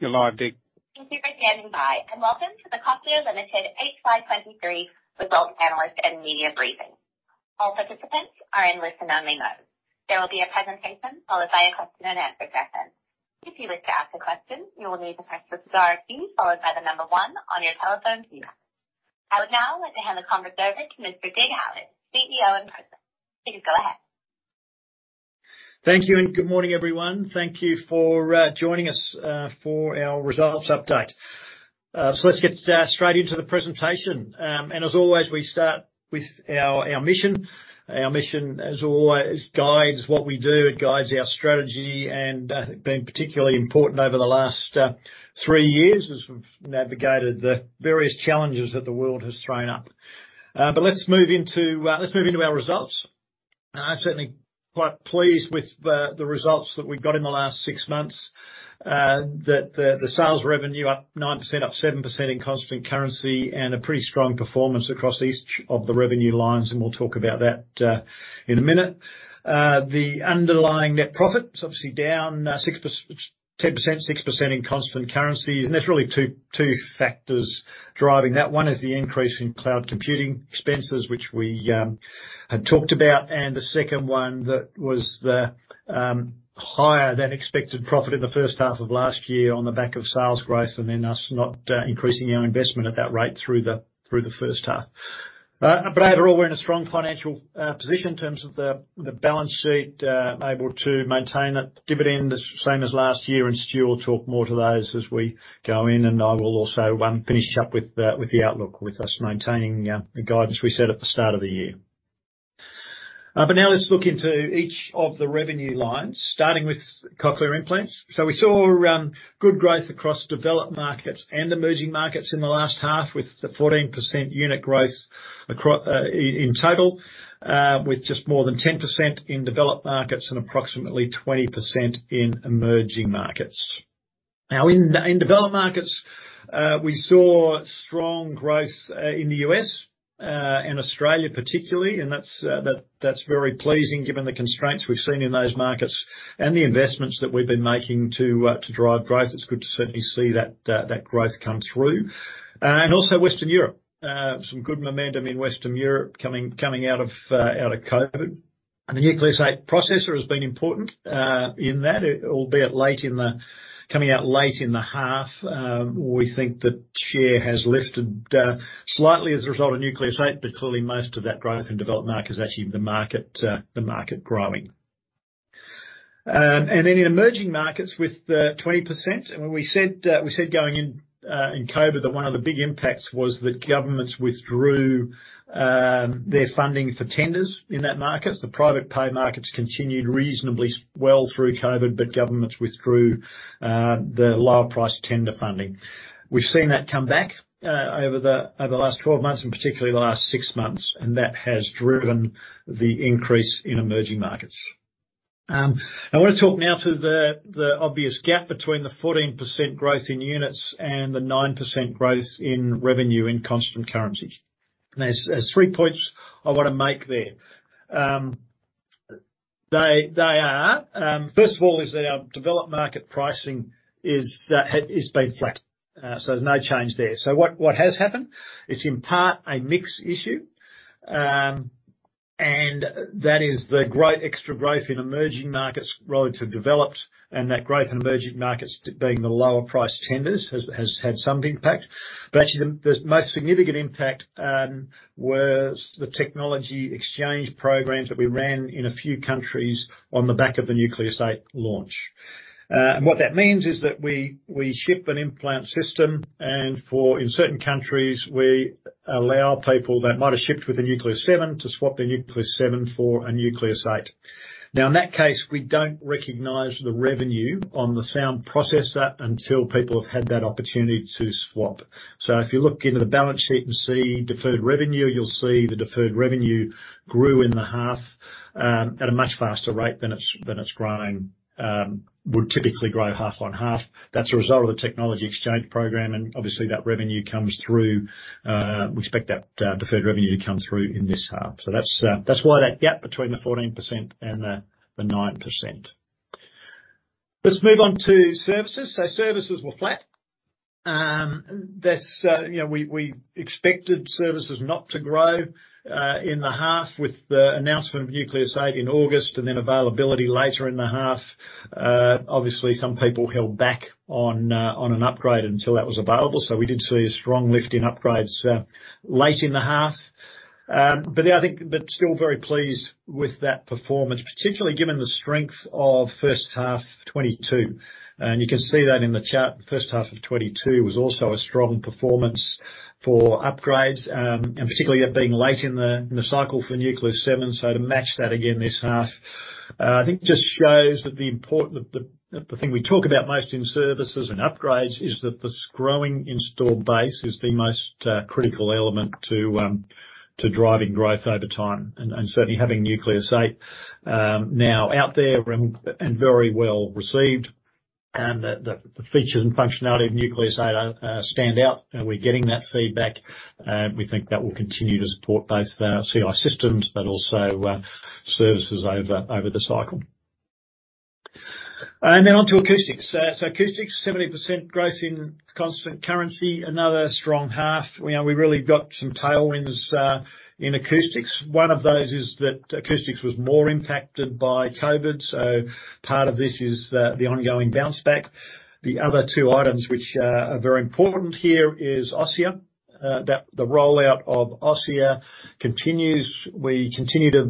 Thank you for standing by, welcome to the Cochlear Limited FY 2023 results analyst and media briefing. All participants are in listen-only mode. There will be a presentation followed by a question-and-answer session. If you would like to ask a question, you will need to press the star key followed by one on your telephone keypad. I would now like to hand the conference over to Mr. Dig Howitt, CEO and President. Please go ahead. Thank you. Good morning, everyone. Thank you for joining us for our results update. Let's get straight into the presentation. As always, we start with our mission. Our mission as always guides what we do. It guides our strategy and been particularly important over the last three years as we've navigated the various challenges that the world has thrown up. Let's move into our results. I'm certainly quite pleased with the results that we've got in the last six months. The sales revenue up 9%, up 7% in constant currency, and a pretty strong performance across each of the revenue lines, and we'll talk about that in a minute. The underlying net profit's obviously down 10%, 6% in constant currency. There's really two factors driving that. One is the increase in cloud computing expenses, which we had talked about. The second one that was the higher than expected profit in the first half of last year on the back of sales growth, and then us not increasing our investment at that rate through the first half. Overall, we're in a strong financial position in terms of the balance sheet, able to maintain a dividend the same as last year. Stuart will talk more to those as we go in, and I will also finish up with the outlook with us maintaining the guidance we set at the start of the year. Now let's look into each of the revenue lines, starting with cochlear implants. We saw good growth across developed markets and emerging markets in the last half, with 14% unit growth in total, with just more than 10% in developed markets and approximately 20% in emerging markets. In developed markets, we saw strong growth in the U.S. and Australia particularly, and that's very pleasing given the constraints we've seen in those markets and the investments that we've been making to drive growth. It's good to certainly see that growth come through. Also Western Europe. Some good momentum in Western Europe coming out of COVID. The Nucleus 8 Processor has been important in that, albeit late in the coming out late in the half. We think the share has lifted slightly as a result of Nucleus 8, clearly most of that growth in developed markets is actually the market growing. In emerging markets with the 20%, we said going in COVID that one of the big impacts was that governments withdrew their funding for tenders in that market. The private pay markets continued reasonably well through COVID, governments withdrew the lower-priced tender funding. We've seen that come back over the last 12 months and particularly the last 6 months, that has driven the increase in emerging markets. I want to talk now to the obvious gap between the 14% growth in units and the 9% growth in revenue in constant currencies. There's three points I wanna make there. They are, first of all is that our developed market pricing is being flat. There's no change there. What has happened is in part a mix issue, and that is the great extra growth in emerging markets relative developed, and that growth in emerging markets being the lower-priced tenders has had some impact. Actually the most significant impact was the technology exchange programs that we ran in a few countries on the back of the Nucleus 8 launch. What that means is that we ship an implant system and in certain countries we allow people that might have shipped with a Nucleus 7 to swap their Nucleus 7 for a Nucleus 8. In that case, we don't recognize the revenue on the sound processor until people have had that opportunity to swap. If you look into the balance sheet and see deferred revenue, you'll see the deferred revenue grew in the half at a much faster rate than it's growing, would typically grow half on half. That's a result of the technology exchange program. Obviously that revenue comes through. We expect that deferred revenue to come through in this half. That's why that gap between the 14% and the 9%. Let's move on to services. Services were flat. That's, you know, we expected services not to grow in the half with the announcement of Nucleus 8 in August. Then availability later in the half. Obviously some people held back on an upgrade until that was available. We did see a strong lift in upgrades late in the half. Still very pleased with that performance, particularly given the strength of first half 2022. You can see that in the chart. First half of 2022 was also a strong performance for upgrades, and particularly it being late in the, in the cycle for Nucleus 7. To match that again this half, I think just shows that the thing we talk about most in services and upgrades is that this growing installed base is the most critical element to driving growth over time. Certainly having Nucleus 8, now out there and very well received, the features and functionality of Nucleus 8, stand out and we're getting that feedback. We think that will continue to support both our CI systems but also, services over the cycle. Then on to Acoustics. Acoustics, 70% growth in constant currency, another strong half. You know, we really got some tailwinds in acoustics. One of those is that acoustics was more impacted by COVID, so part of this is the ongoing bounce back. The other two items, which are very important here is Osia. The rollout of Osia continues. We continue to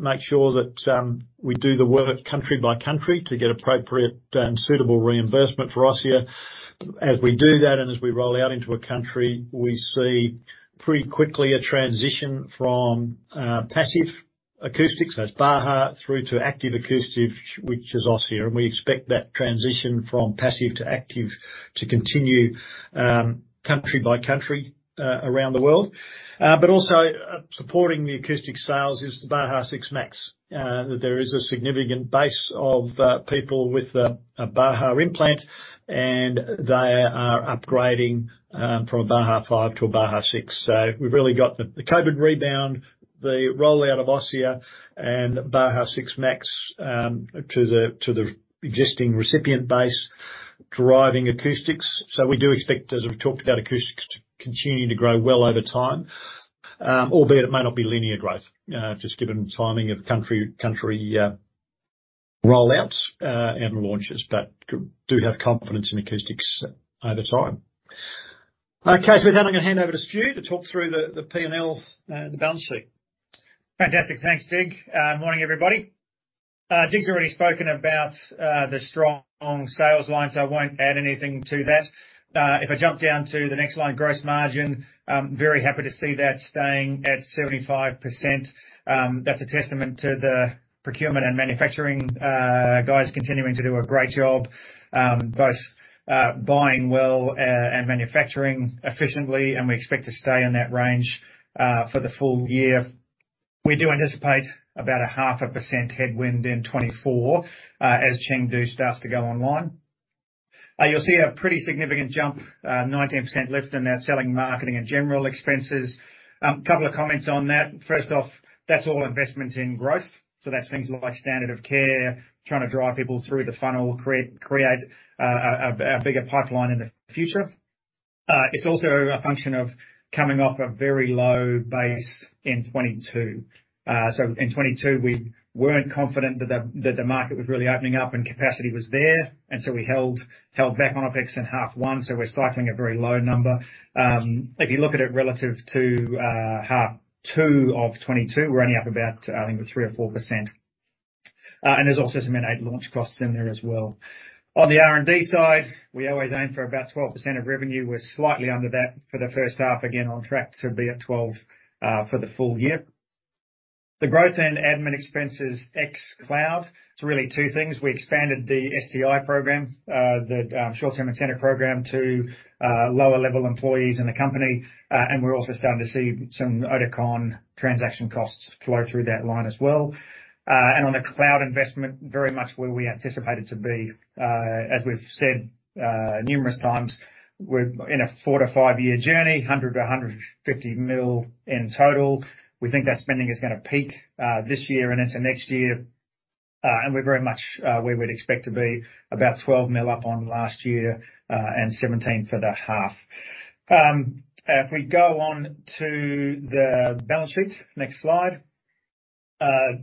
make sure that we do the work country by country to get appropriate and suitable reimbursement for Osia. As we do that, and as we roll out into a country, we see pretty quickly a transition from passive acoustics, so it's Baha, through to active acoustic, which is Osia. We expect that transition from passive to active to continue, country by country around the world. Also, supporting the acoustic sales is the Baha 6 Max. There is a significant base of people with a Baha implant, and they are upgrading from a Baha 5 to a Baha 6. We've really got the COVID rebound, the rollout of Osia and Baha 6 Max, to the existing recipient base driving acoustics. We do expect, as we've talked about acoustics, to continue to grow well over time. Albeit it may not be linear growth, just given timing of country, rollouts and launches, but do have confidence in acoustics over time. Okay. With that, I'm gonna hand over to Stu to talk through the P&L, the balance sheet. Fantastic. Thanks, Dig. Morning, everybody. Dig's already spoken about the strong sales lines, so I won't add anything to that. If I jump down to the next line, gross margin, I'm very happy to see that staying at 75%. That's a testament to the procurement and manufacturing guys continuing to do a great job, both buying well and manufacturing efficiently. We expect to stay in that range for the full year. We do anticipate about a half a percent headwind in 2024 as Chengdu starts to go online. You'll see a pretty significant jump, 19% lift in that selling, marketing, and general expenses. Couple of comments on that. First off, that's all investment in growth, so that's things like standard of care, trying to drive people through the funnel, create a bigger pipeline in the future. It's also a function of coming off a very low base in 2022. In 2022, we weren't confident that the market was really opening up and capacity was there, and so we held back on OpEx in half one, so we're cycling a very low number. If you look at it relative to half two of 2022, we're only up about, I think, 3% or 4%. There's also some N8 launch costs in there as well. On the R&D side, we always aim for about 12% of revenue. We're slightly under that for the first half. Again, on track to be at 12% for the full year. The growth and admin expenses ex-cloud, it's really two things. We expanded the STI program, the short-term incentive program to lower-level employees in the company. We're also starting to see some Oticon transaction costs flow through that line as well. On the cloud investment, very much where we anticipated to be. As we've said, numerous times, we're in a four to five-year journey, 100 million-150 million in total. We think that spending is going to peak this year and into next year. We're very much where we'd expect to be, about 12 million up on last year, and 17 million for the half. If we go on to the balance sheet, next slide.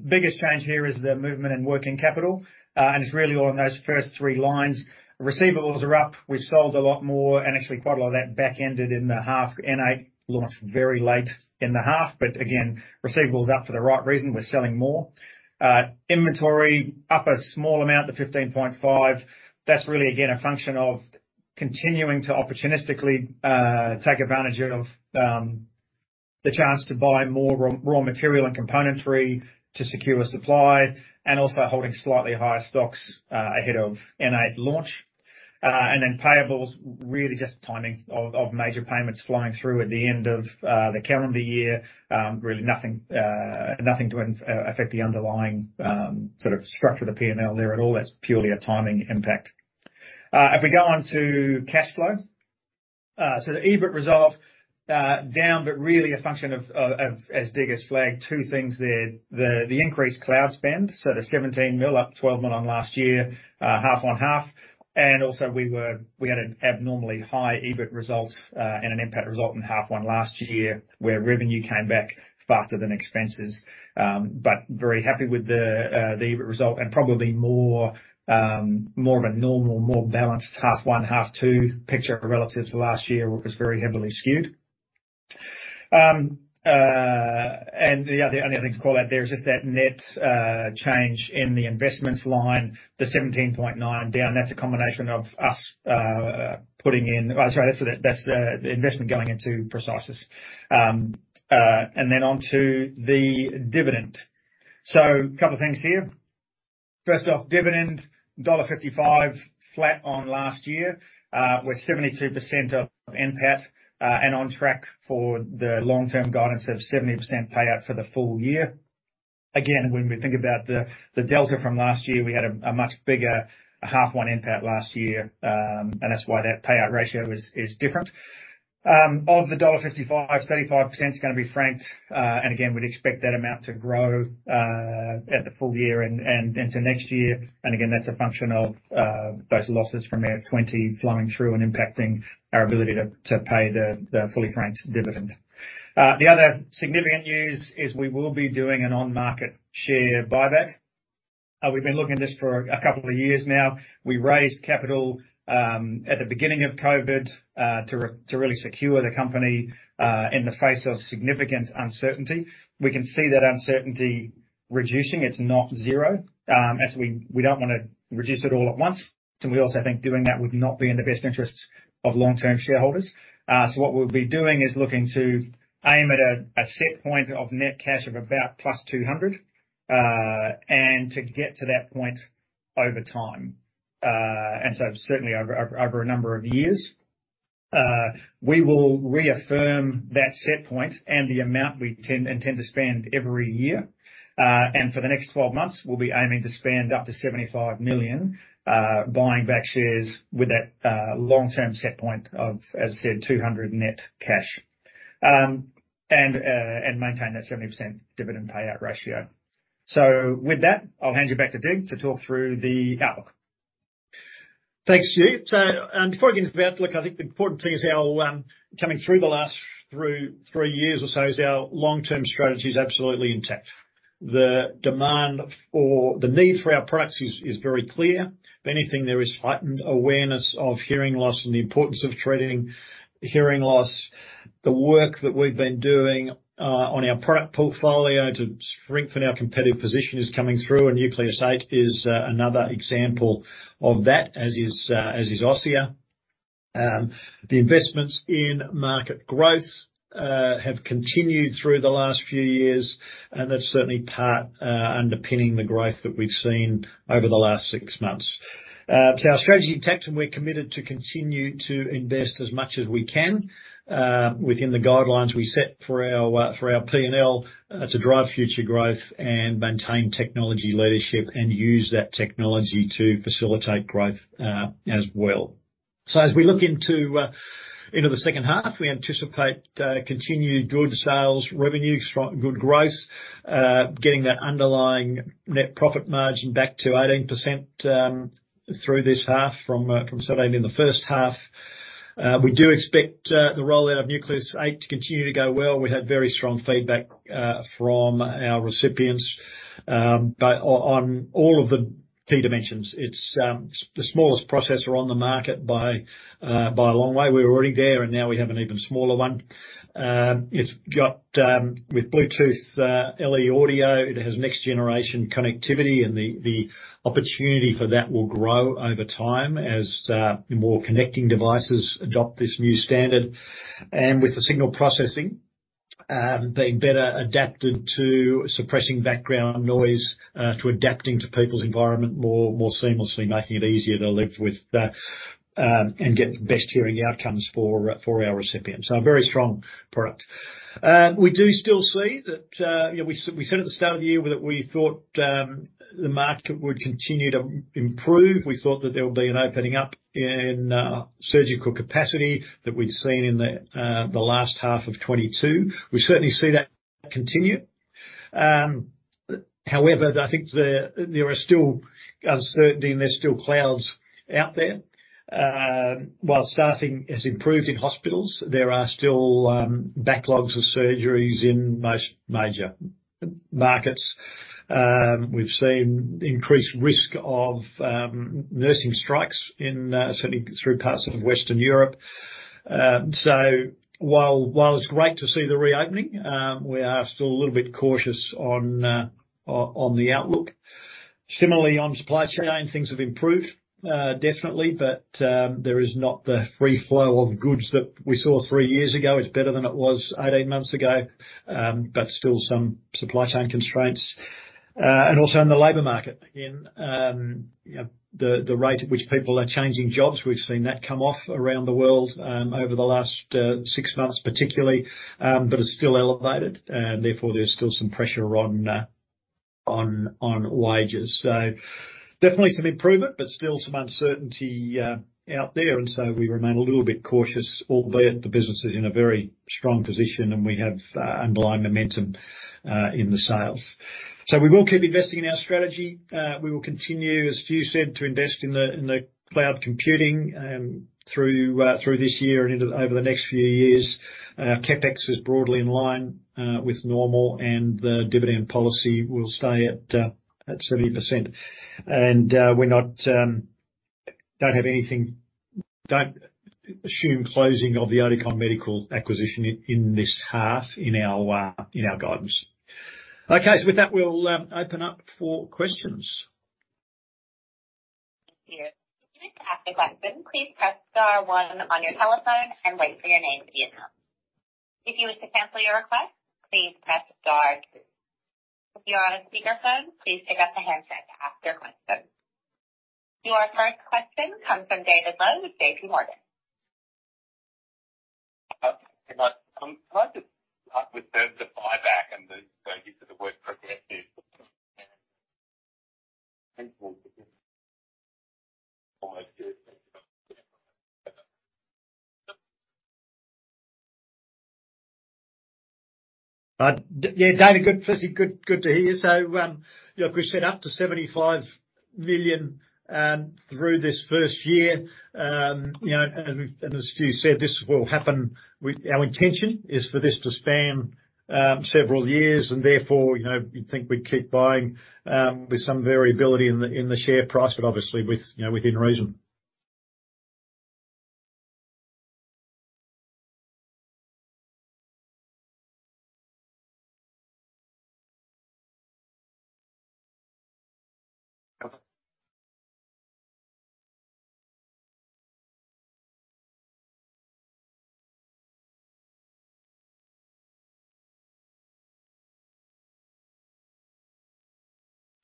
Biggest change here is the movement in working capital, it's really all in those first three lines. Receivables are up. We've sold a lot more, actually quite a lot of that back-ended in the half. N8 launched very late in the half, again, receivables up for the right reason. We're selling more. Inventory up a small amount to 15.5 million. That's really, again, a function of continuing to opportunistically take advantage of the chance to buy more raw material and componentry to secure supply, and also holding slightly higher stocks ahead of N8 launch. Payables, really just timing of major payments flowing through at the end of the calendar year. Really nothing to affect the underlying sort of structure of the P&L there at all. That's purely a timing impact. If we go on to cash flow. The EBIT result, down, but really a function of, as Dig has flagged, two things there. The increased cloud spend, so the 17 million, up 12 million on last year, half-on-half. Also we had an abnormally high EBIT result and an NPAT result in half one last year, where revenue came back faster than expenses. Very happy with the EBIT result and probably more of a normal, more balanced half one, half two picture relative to last year, which was very heavily skewed. The only other thing to call out there is just that net change in the investments line, the 17.9 million down. That's a combination of us putting in. Oh, sorry. That's the investment going into Precisis. And then on to the dividend. Couple of things here. First off, dividend, dollar 1.55, flat on last year, with 72% of NPAT, and on track for the long-term guidance of 70% payout for the full year. Again, when we think about the delta from last year, we had a much bigger half one NPAT last year, and that's why that payout ratio is different. Of the dollar 1.55, 35% is gonna be franked. And again, we'd expect that amount to grow at the full year and into next year. And again, that's a function of those losses from our 2020 flowing through and impacting our ability to pay the fully franked dividend. The other significant news is we will be doing an on-market share buyback. We've been looking at this for a couple of years now. We raised capital at the beginning of COVID to really secure the company in the face of significant uncertainty. We can see that uncertainty reducing. It's not zero, as we don't want to reduce it all at once. We also think doing that would not be in the best interests of long-term shareholders. What we'll be doing is looking to aim at a set point of net cash of about +200 million and to get to that point over time. Certainly over a number of years. We will reaffirm that set point and the amount we intend to spend every year. For the next 12 months, we'll be aiming to spend up to 75 million buying back shares with that long-term set point of, as I said, 200 million net cash. Maintain that 70% dividend payout ratio. With that, I'll hand you back to Dig to talk through the outlook. Thanks, Stu. Before I get into the outlook, I think the important thing is our coming through the last three years or so is our long-term strategy is absolutely intact. The demand for the need for our products is very clear. If anything, there is heightened awareness of hearing loss and the importance of treating hearing loss. The work that we've been doing on our product portfolio to strengthen our competitive position is coming through, and Nucleus 8 is another example of that, as is Osia. The investments in market growth have continued through the last few years, and that's certainly part underpinning the growth that we've seen over the last six months. Our strategy intact, and we're committed to continue to invest as much as we can within the guidelines we set for our for our P&L to drive future growth and maintain technology leadership and use that technology to facilitate growth as well. As we look into the second half, we anticipate continued good sales revenue, strong, good growth, getting that underlying net profit margin back to 18% through this half from 17% in the first half. We do expect the rollout of Nucleus 8 to continue to go well. We had very strong feedback from our recipients on all of the key dimensions. It's the smallest processor on the market by a long way. We're already there, and now we have an even smaller one. It's got with Bluetooth LE Audio, it has next-generation connectivity, and the opportunity for that will grow over time as more connecting devices adopt this new standard. With the signal processing, being better adapted to suppressing background noise, to adapting to people's environment more, more seamlessly, making it easier to live with, and get best hearing outcomes for our recipients. A very strong product. We do still see that, you know, we said at the start of the year that we thought the market would continue to improve. We thought that there would be an opening up in surgical capacity that we'd seen in the last half of 2022. We certainly see that continue. However, I think there are still uncertainty, and there's still clouds out there. While staffing has improved in hospitals, there are still backlogs of surgeries in most major markets. We've seen increased risk of nursing strikes in certainly through parts of Western Europe. While it's great to see the reopening, we are still a little bit cautious on the outlook. Similarly, on supply chain, things have improved definitely, but there is not the free flow of goods that we saw three years ago. It's better than it was 18 months ago, but still some supply chain constraints. Also in the labor market again, you know, the rate at which people are changing jobs, we've seen that come off around the world over the last six months particularly, but it's still elevated. Therefore, there's still some pressure on wages. Definitely some improvement, but still some uncertainty out there. We remain a little bit cautious, albeit the business is in a very strong position, and we have underlying momentum in the sales. We will keep investing in our strategy. We will continue, as Stu said, to invest in the cloud computing through this year and into over the next few years. CapEx is broadly in line with normal, and the dividend policy will stay at 30%. We're not, don't have anything. Don't assume closing of the Oticon Medical acquisition in this half in our guidance. With that, we'll open up for questions. Thank you. If you'd like to ask a question, please press star one on your telephone and wait for your name to be announced. If you wish to cancel your request, please press star two. If you are on speakerphone, please pick up the handset to ask your question. Your first question comes from David Low with JPMorgan. David, good. Good to hear. Look, we've said up to 75 million through this first year. You know, and as you said, this will happen. Our intention is for this to span several years and therefore, you know, you'd think we'd keep buying with some variability in the share price, but obviously with, you know, within reason.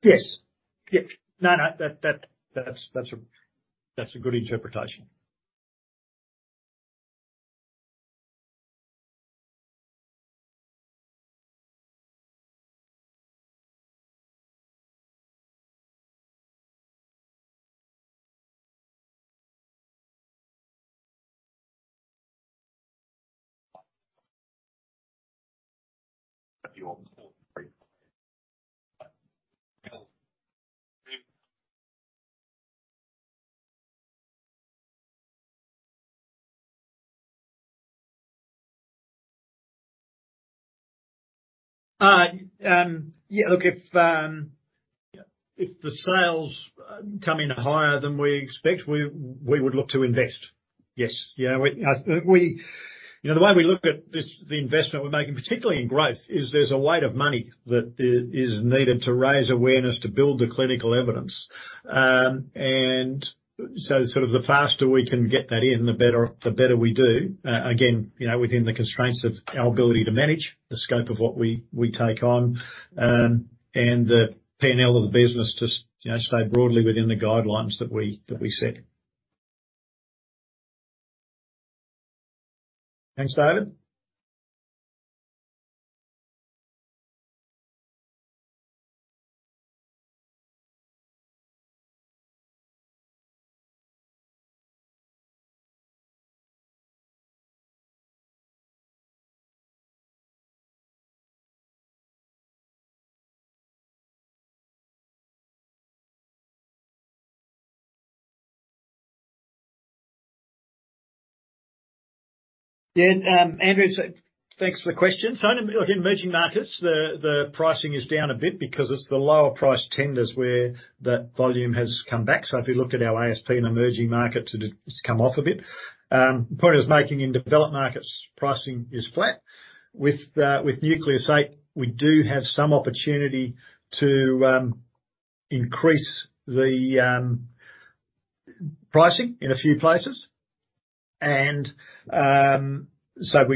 Yes. No, that's a good interpretation. Yeah, look, if the sales come in higher than we expect, we would look to invest. Yes. You know, we, I think we, you know, the way we look at this, the investment we're making, particularly in growth, is there's a weight of money that is needed to raise awareness to build the clinical evidence. Sort of the faster we can get that in, the better, the better we do. Again, you know, within the constraints of our ability to manage the scope of what we take on, and the P&L of the business to you know, stay broadly within the guidelines that we set. Thanks, David. Yeah. Andrew, thanks for the question. Look, in emerging markets, the pricing is down a bit because it's the lower priced tenders where that volume has come back. If you looked at our ASP in emerging markets, it has come off a bit. The point I was making in developed markets, pricing is flat. With Nucleus, we do have some opportunity to increase the pricing in a few places, we,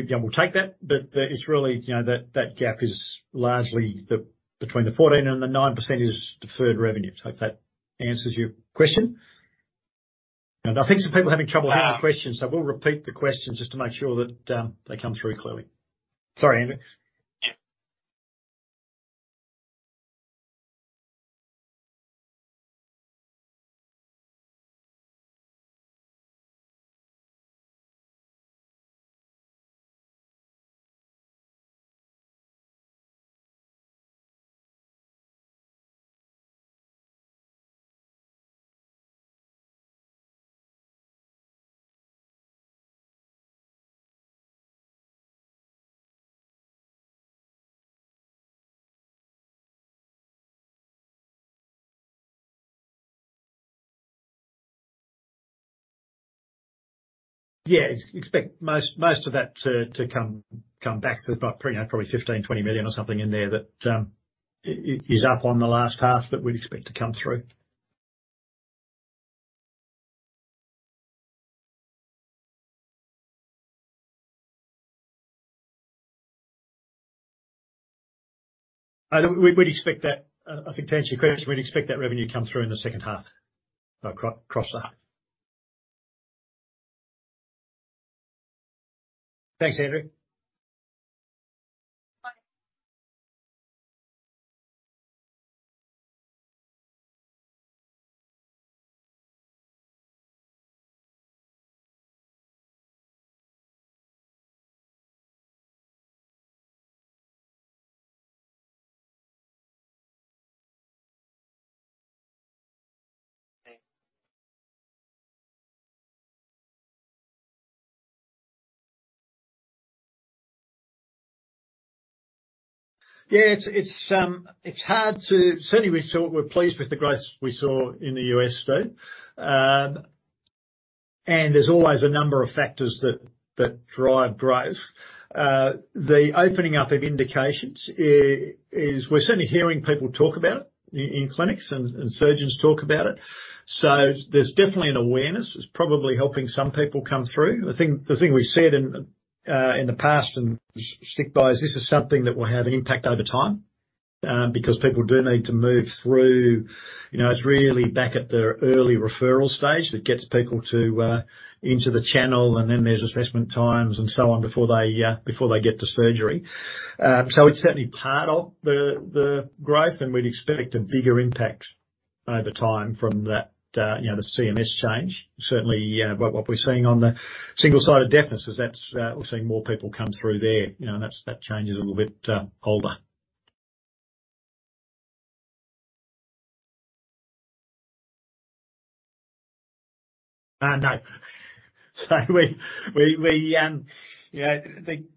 you know, we'll take that. It's really, you know, that gap is largely between the 14 and the 9% is deferred revenue. I hope that answers your question. I think some people are having trouble hearing questions. We'll repeat the question just to make sure that they come through clearly. Sorry, Andrew. Expect most of that to come back. We've got, you know, probably 15 million, 20 million or something in there that is up on the last half that we'd expect to come through. We'd expect that, I think to answer your question, we'd expect that revenue come through in the second half. Across there. Thanks, Andrew. It's hard to. Certainly we thought we're pleased with the growth we saw in the U.S., Steve. There's always a number of factors that drive growth. The opening up of indications we're certainly hearing people talk about it in clinics and surgeons talk about it. There's definitely an awareness. It's probably helping some people come through. The thing we've said in the past and stick by is this is something that will have impact over time because people do need to move through. You know, it's really back at the early referral stage that gets people into the channel, and then there's assessment times and so on before they before they get to surgery. It's certainly part of the growth, and we'd expect a bigger impact over time from that, you know, the CMS change. Certainly, what we're seeing on the single-sided deafness is that's, we're seeing more people come through there. You know, that change is a little bit older.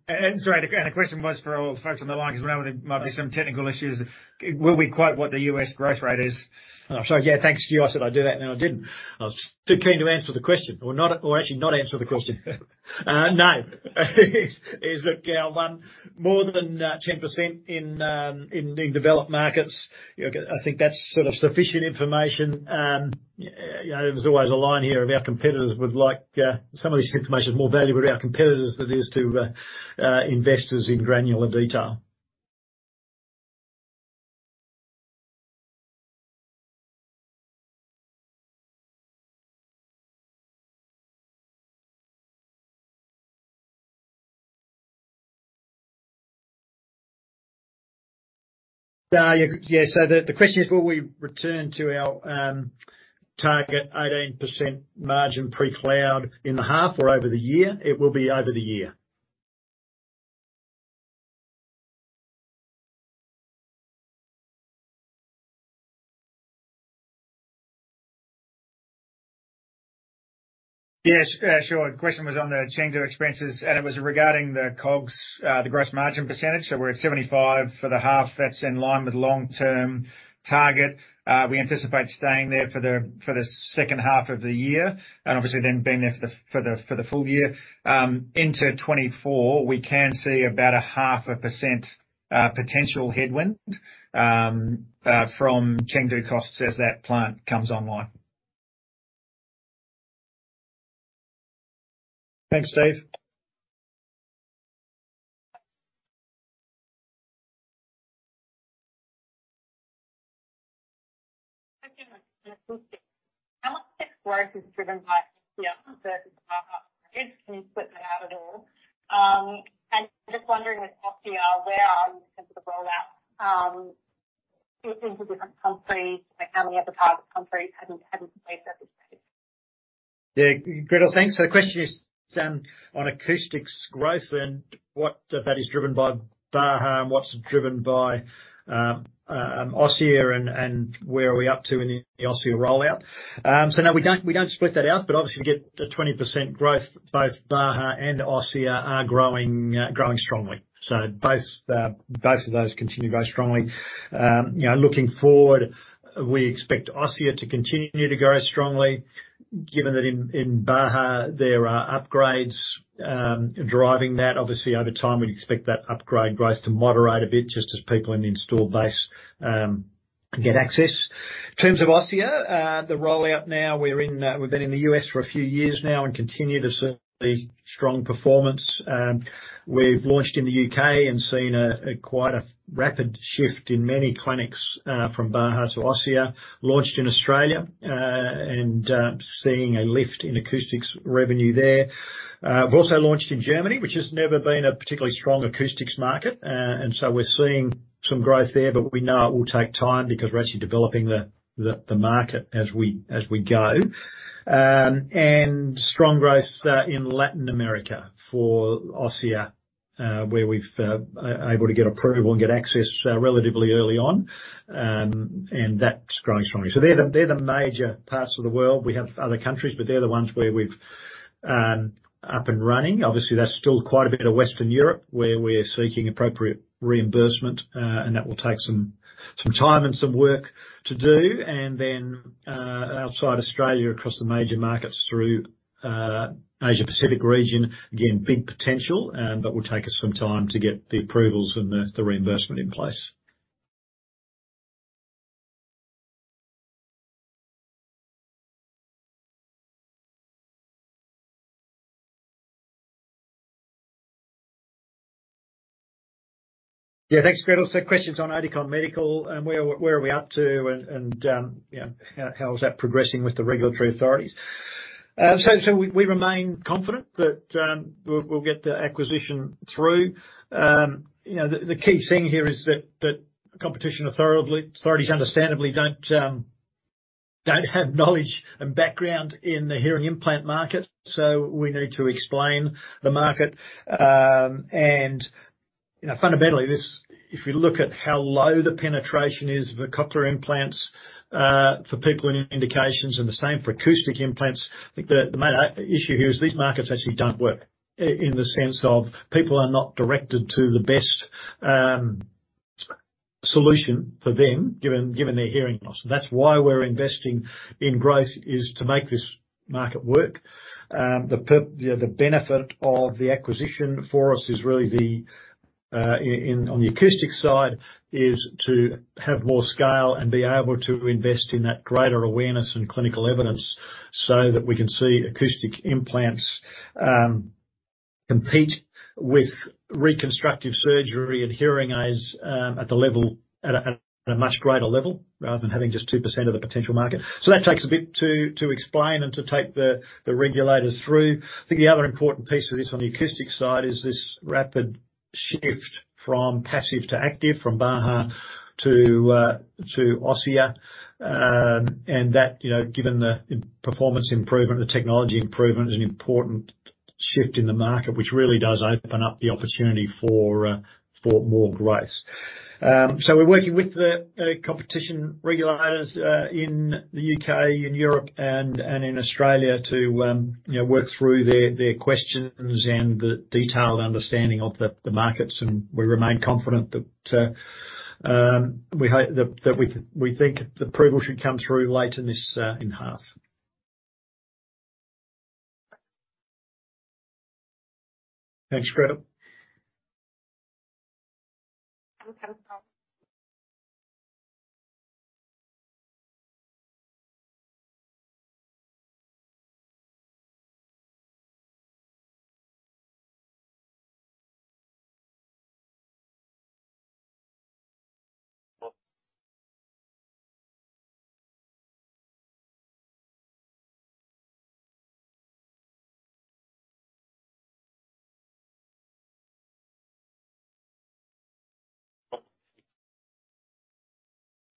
The question was for our folks on the line 'cause we know there might be some technical issues. Will we quote what the U.S. growth rate is? I'm sorry, yeah, thanks to you, I said I'd do that, and then I didn't. I was too keen to answer the question or actually not answer the question. Look, yeah, one more than 10% in developed markets. You know, I think that's sort of sufficient information. You know, there's always a line here of our competitors would like, Some of this information is more valuable to our competitors than it is to investors in granular detail. Yes. The question is, will we return to our target 18% margin pre-cloud in the half or over the year? It will be over the year. Yes. Sure. The question was on the Chengdu expenses, and it was regarding the COGS, the gross margin percentage. We're at 75% for the half. That's in line with long-term target. We anticipate staying there for the second half of the year, and obviously then being there for the full year. Into 2024, we can see about a half a percent potential headwind from Chengdu costs as that plant comes online. Thanks, Steve. Can you split that out at all? Just wondering with Osia, where are you in terms of the rollout, into different countries? Like, how many other target countries have you placed at this stage? Yeah. Gretel, thanks. The question is on Acoustics growth and what of that is driven by Baha and what's driven by Osia and where are we up to in the Osia rollout. No, we don't split that out, but obviously we get a 20% growth. Both Baha and Osia are growing strongly. Both of those continue to grow strongly. You know, looking forward, we expect Osia to continue to grow strongly, given that in Baha there are upgrades driving that. Obviously over time we'd expect that upgrade growth to moderate a bit just as people in the installed base get access. In terms of Osia, the rollout now we've been in the U.S. for a few years now and continue to see strong performance. We've launched in the U.K. and seen a quite a rapid shift in many clinics from Baha to Osia. Launched in Australia and seeing a lift in Acoustics revenue there. We've also launched in Germany, which has never been a particularly strong Acoustics market. We're seeing some growth there, but we know it will take time because we're actually developing the market as we go. Strong growth in Latin America for Osia, where we've able to get approval and get access relatively early on. That's growing strongly. They're the major parts of the world. We have other countries, but they're the ones where we've up and running. Obviously that's still quite a bit of Western Europe where we're seeking appropriate reimbursement, and that will take some time and some work to do. Outside Australia, across the major markets through Asia Pacific region, again, big potential, but will take us some time to get the approvals and the reimbursement in place. Thanks, Gretel. Question's on Oticon Medical and where are we up to and, you know, how is that progressing with the regulatory authorities. We remain confident that we'll get the acquisition through. You know, the key thing here is that competition authorities understandably don't have knowledge and background in the hearing implant market, so we need to explain the market. You know, fundamentally, this, if you look at how low the penetration is for cochlear implants, for people in indications and the same for acoustic implants, I think the main issue here is these markets actually don't work in the sense of people are not directed to the best solution for them given their hearing loss. That's why we're investing in growth, is to make this market work. You know, the benefit of the acquisition for us is really on the acoustic side, is to have more scale and be able to invest in that greater awareness and clinical evidence so that we can see acoustic implants compete with reconstructive surgery and hearing aids at a much greater level rather than having just 2% of the potential market. That takes a bit to explain and to take the regulators through. I think the other important piece of this on the acoustic side is this rapid shift from passive to active, from Baha to Osia. And that, you know, given the performance improvement, the technology improvement is an important shift in the market, which really does open up the opportunity for more growth. We're working with the competition regulators in the U.K. and Europe and in Australia to, you know, work through their questions and the detailed understanding of the markets. We remain confident that we think the approval should come through late in this in half. Thanks,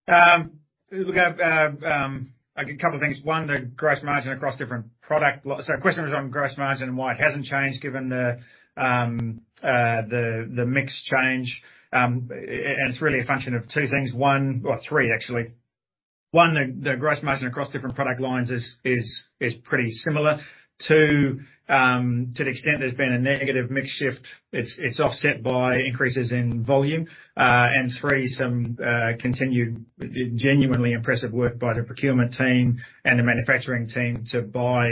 Gretel. One, the gross margin across different product. Question was on gross margin and why it hasn't changed given the mix change. It's really a function of two things. Well, three actually. One, the gross margin across different product lines is pretty similar. Two, to the extent there's been a negative mix shift, it's offset by increases in volume. Three, some continued genuinely impressive work by the procurement team and the manufacturing team to buy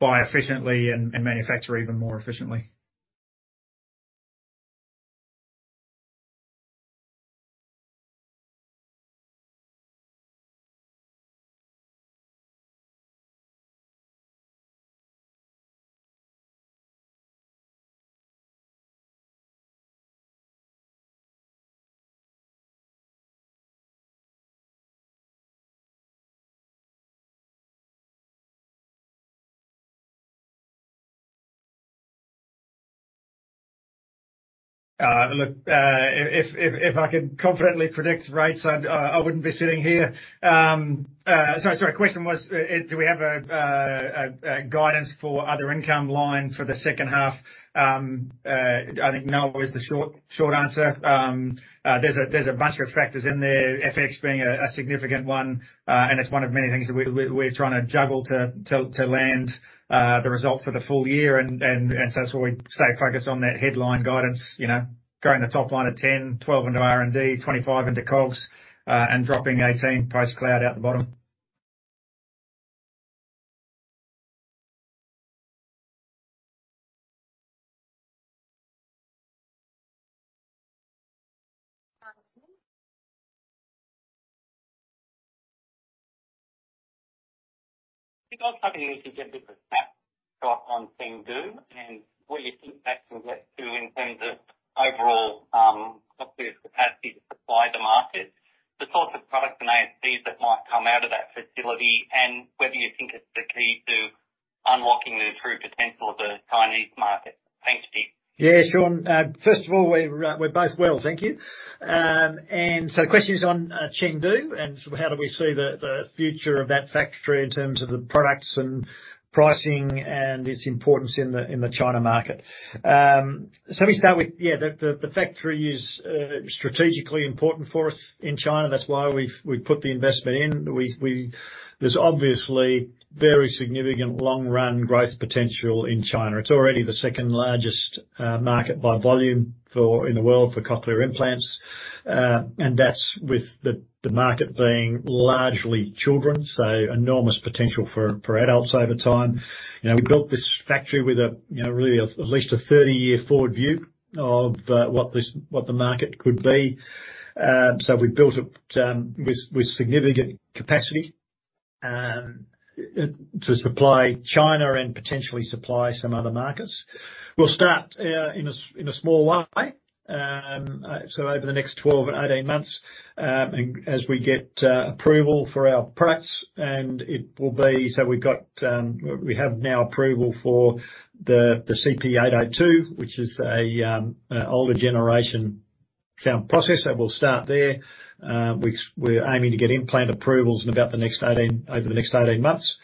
efficiently and manufacture even more efficiently. Look, if I could confidently predict rates, I wouldn't be sitting here. Sorry, question was, do we have a guidance for other income line for the second half? I think no is the short answer. There's a bunch of factors in there, FX being a significant one. It's one of many things that we're trying to juggle to land the result for the full year. That's why we stay focused on that headline guidance. You know, growing the top line of 10%-12% into R&D, 25% into COGS, and dropping 18% post cloud out the bottom. on Chengdu and what you think that can get to in terms of overall, cochlear's capacity to supply the market, the sorts of products and ASBs that might come out of that facility, and whether you think it's the key to unlocking the true potential of the Chinese market. Thanks, Dig. Yeah, Sean. First of all, we're both well, thank you. Question is on Chengdu and how do we see the future of that factory in terms of the products and pricing and its importance in the China market. Let me start with, yeah, the factory is strategically important for us in China. That's why we've put the investment in. There's obviously very significant long run growth potential in China. It's already the second-largest market by volume in the world for cochlear implants. That's with the market being largely children, so enormous potential for adults over time. You know, we built this factory with a, you know, really, at least a 30-year forward view of what the market could be. We built it with significant capacity to supply China and potentially supply some other markets. We'll start in a small way. Over the next 12 and 18 months, as we get approval for our products. We have now approval for the CP802, which is a older generation sound processor. We'll start there. We're aiming to get implant approvals in about the next 18 months.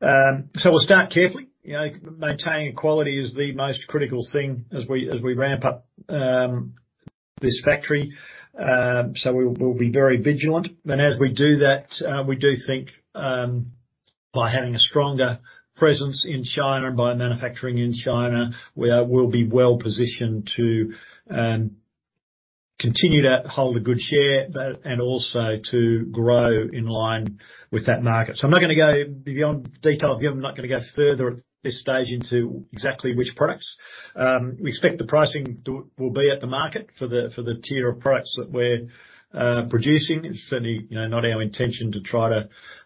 We'll start carefully. You know, maintaining quality is the most critical thing as we ramp up this factory. We'll be very vigilant. As we do that, we do think by having a stronger presence in China and by manufacturing in China, we'll be well positioned to continue to hold a good share, but and also to grow in line with that market. I'm not gonna go beyond detail view. I'm not gonna go further at this stage into exactly which products. We expect the pricing will be at the market for the tier of products that we're producing. It's certainly, you know, not our intention to try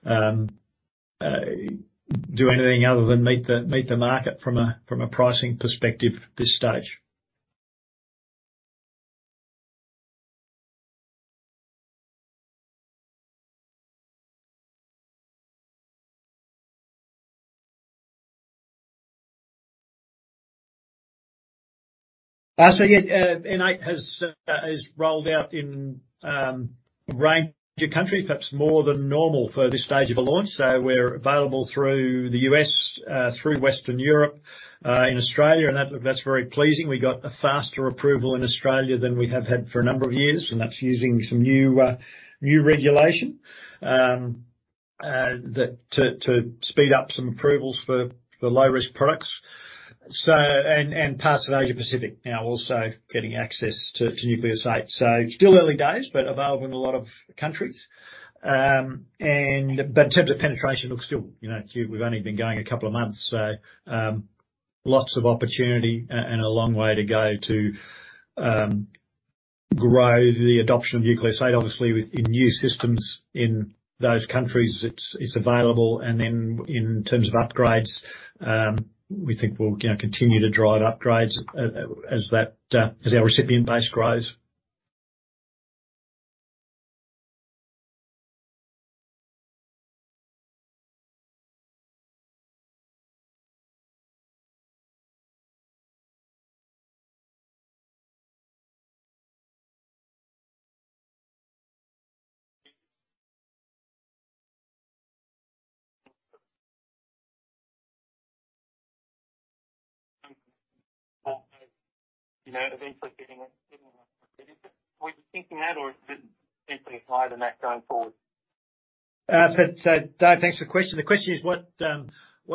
to do anything other than meet the market from a pricing perspective this stage. Yeah, N8 has rolled out in range of country, perhaps more than normal for this stage of a launch. We're available through the U.S., through Western Europe, in Australia, and that's very pleasing. We got a faster approval in Australia than we have had for a number of years, and that's using some new regulation, to speed up some approvals for low-risk products. And parts of Asia-Pacific now also getting access to Nucleus 8. Still early days, but available in a lot of countries. But in terms of penetration, look, still, you know, we've only been going a couple of months, so, lots of opportunity and a long way to go to grow the adoption of Nucleus 8, obviously, in new systems in those countries it's available. In terms of upgrades, we think we'll, you know, continue to drive upgrades as that, as our recipient base grows. Were you thinking that, or is it simply higher than that going forward? Dave, thanks for the question. The question is, what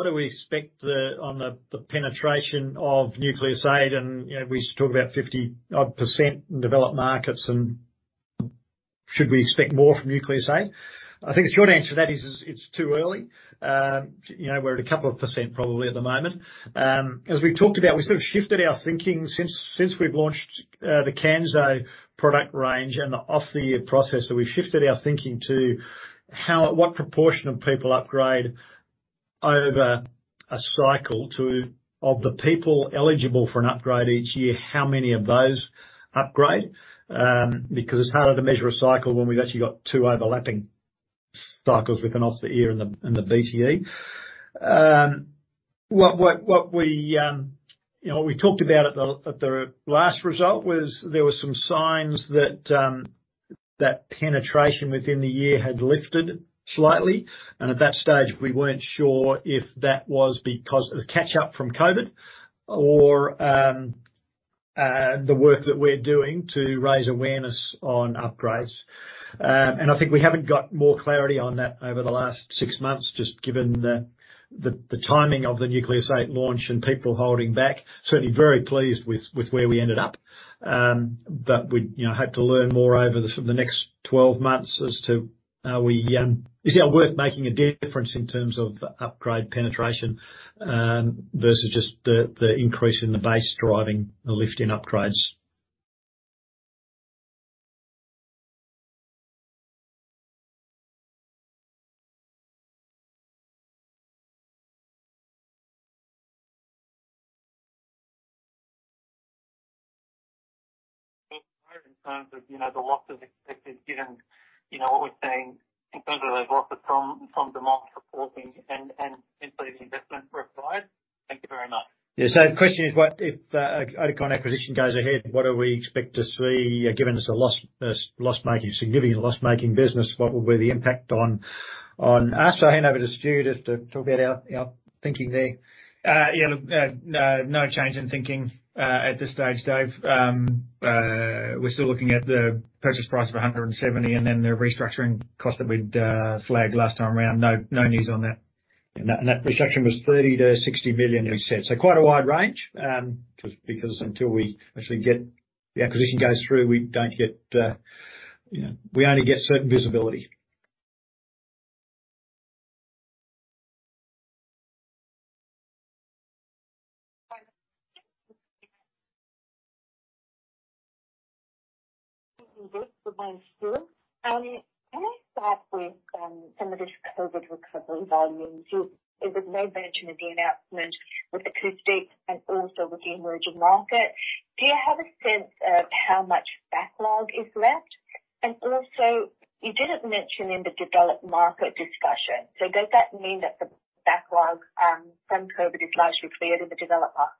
do we expect on the penetration of Nucleus 8? You know, we talk about 50% in developed markets and should we expect more from Nucleus 8? I think the short answer to that is, it's too early. You know, we're at a couple of percent probably at the moment. As we've talked about, we sort of shifted our thinking since we've launched the Kanso product range and the off-the-ear processor. We've shifted our thinking to what proportion of people upgrade over a cycle to... Of the people eligible for an upgrade each year, how many of those upgrade? Because it's harder to measure a cycle when we've actually got two overlapping cycles with an off-the-ear and the BTE. What we, you know, what we talked about at the last result was there were some signs that penetration within the year had lifted slightly, and at that stage we weren't sure if that was because it was catch up from COVID or the work that we're doing to raise awareness on upgrades. I think we haven't got more clarity on that over the last six months, just given the timing of the Nucleus 8 launch and people holding back. Certainly, very pleased with where we ended up. We, you know, hope to learn more over the next 12 months as to are we, is our work making a difference in terms of upgrade penetration versus just the increase in the base driving the lift in upgrades. You know, the losses expected, given, you know, what we're seeing in terms of those losses from the market supporting and including the investment required. Thank you very much. Yeah. The question is what if Oticon acquisition goes ahead, what do we expect to see, given it's a significant loss-making business, what will be the impact on us? I'll hand over to Stu just to talk about our thinking there. Yeah, look, no change in thinking, at this stage, Dave. We're still looking at the purchase price of 170 million and then the restructuring cost that we'd flagged last time around. No, no news on that. That restructure was 30 million-60 million we said. Quite a wide range. Until we actually get, the acquisition goes through, we don't get, you know, we only get certain visibility. Can I start with some of the COVID recovery volumes? It was made mention of the announcement with acoustics and also with the emerging market. Do you have a sense of how much backlog is left? Also, you didn't mention in the developed market discussion, does that mean that the backlog from COVID is largely cleared in the developer?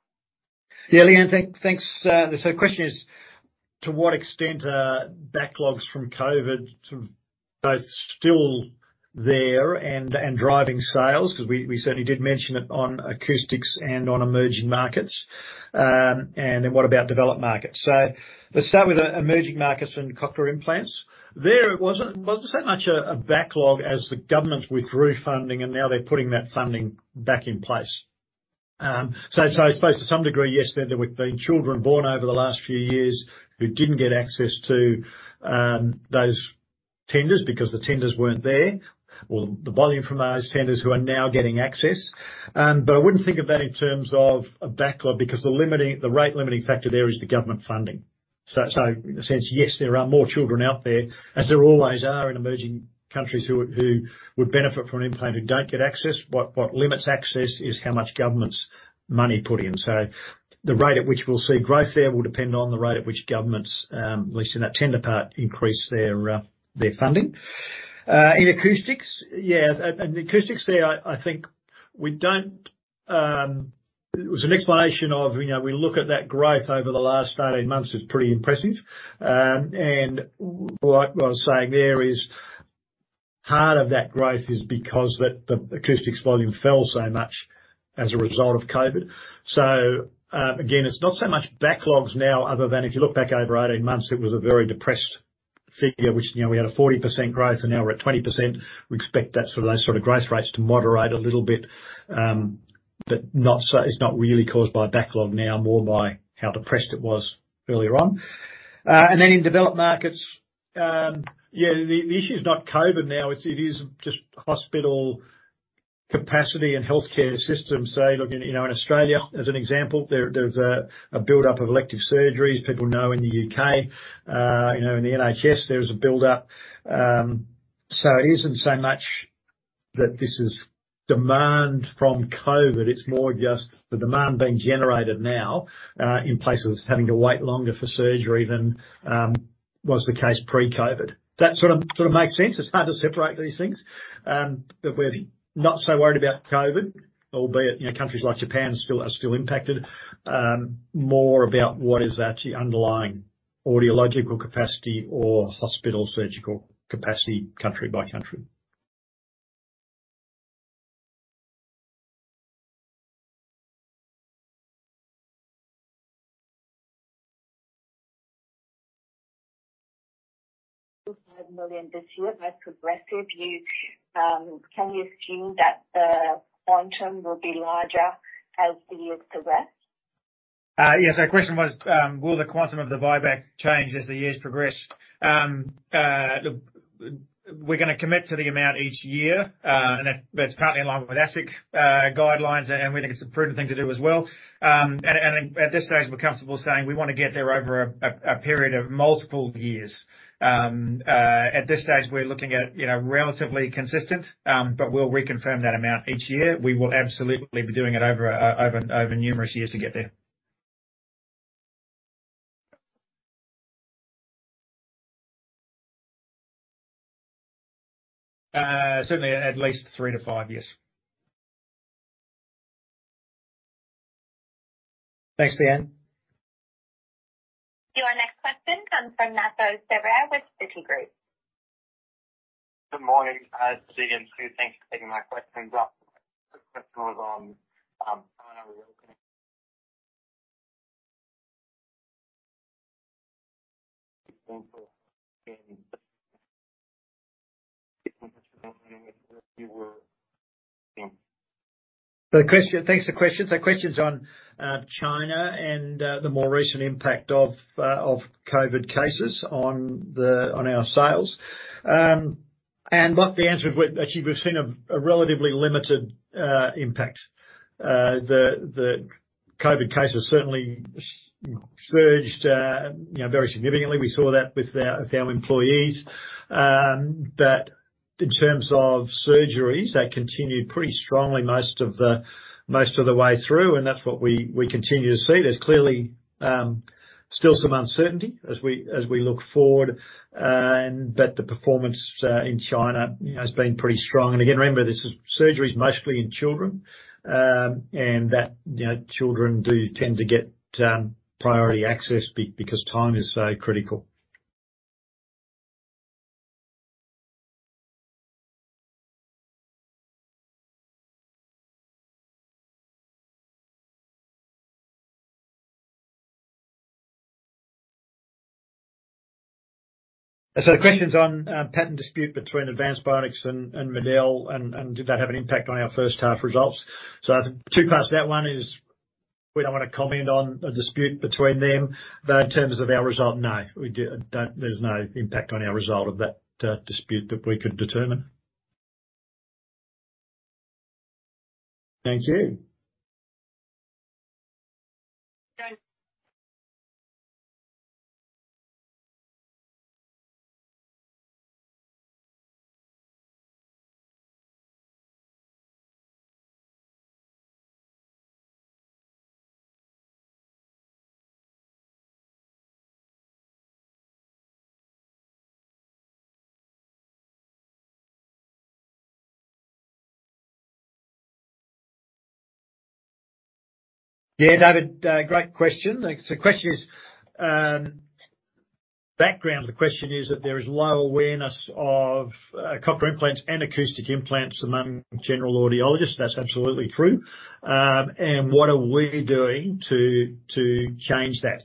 Yeah. Leanne, thanks, the question is, to what extent are backlogs from COVID sort of both still there and driving sales? 'Cause we certainly did mention it on acoustics and on emerging markets. What about developed markets? Let's start with emerging markets and cochlear implants. There it wasn't so much a backlog as the government withdrew funding and now they're putting that funding back in place. I suppose to some degree, yes, there were the children born over the last few years who didn't get access to those tenders because the tenders weren't there or the volume from those tenders who are now getting access. I wouldn't think of that in terms of a backlog, because the rate limiting factor there is the government funding. In a sense, yes, there are more children out there, as there always are in emerging countries who would benefit from an implant who don't get access. What limits access is how much government's money put in. The rate at which we'll see growth there will depend on the rate at which governments, at least in that tender part, increase their funding. In acoustics, yeah, and acoustics there, I think it was an explanation of, you know, we look at that growth over the last 18 months as pretty impressive. What I was saying there is, part of that growth is because the acoustics volume fell so much as a result of COVID. Again, it's not so much backlogs now other than if you look back over 18 months, it was a very depressed figure. Which, you know, we had a 40% growth, and now we're at 20%. We expect those sort of growth rates to moderate a little bit, but it's not really caused by backlog now, more by how depressed it was earlier on. And then in developed markets, yeah, the issue is not COVID now, it is just hospital capacity and healthcare system. Look in, you know, in Australia as an example, there's a buildup of elective surgeries. People know in the U.K., you know, in the NHS, there is a buildup. It isn't so much that this is demand from COVID, it's more just the demand being generated now, in places having to wait longer for surgery than was the case pre-COVID. Does that sort of make sense? It's hard to separate these things. We're not so worried about COVID, albeit, you know, countries like Japan still impacted. More about what is actually underlying audiological capacity or hospital surgical capacity country by country. 5 million this year as progressive. You, can you assume that the quantum will be larger as the years progress? Yes. The question was, will the quantum of the buyback change as the years progress? We're gonna commit to the amount each year, and that's partly in line with ethics guidelines, and we think it's a prudent thing to do as well. And at this stage, we're comfortable saying we wanna get there over a period of multiple years. At this stage, we're looking at, you know, relatively consistent, but we'll reconfirm that amount each year. We will absolutely be doing it over numerous years to get there. Certainly at least three to five years. Thanks, Leanne. Your next question comes from Mathieu Chevrier with Citigroup. Good morning, Dig and crew. Thanks for taking my questions. The question. Thanks for the question. Question's on China and the more recent impact of COVID cases on our sales. What the answer is. Actually, we've seen a relatively limited impact. The COVID cases certainly surged, you know, very significantly. We saw that with our employees. In terms of surgeries, they continued pretty strongly most of the way through, and that's what we continue to see. There's clearly still some uncertainty as we look forward. The performance in China, you know, has been pretty strong. Again, remember, this is surgeries mostly in children, that, you know, children do tend to get priority access because time is so critical. The question's on patent dispute between Advanced Bionics and MED-EL and did that have an impact on our first half results? Two parts to that one is, we don't wanna comment on a dispute between them, but in terms of our result, no. There's no impact on our result of that dispute that we can determine. Thank you. Okay. Yeah, David, great question. Thanks. The question is, background to the question is that there is low awareness of cochlear implants and acoustic implants among general audiologists. That's absolutely true. What are we doing to change that?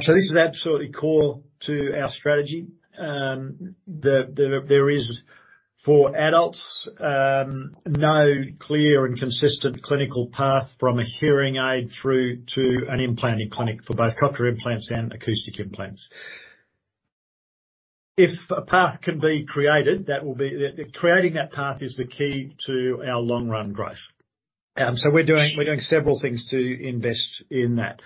This is absolutely core to our strategy. There is for adults, no clear and consistent clinical path from a hearing aid through to an implanted clinic for both cochlear implants and acoustic implants. If a path can be created, creating that path is the key to our long run growth. We're doing several things to invest in that.